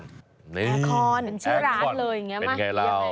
เป็นชื่อร้านเลย